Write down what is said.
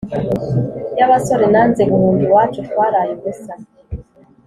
y’abasore nanze guhunga iwacu twaraye ubusa.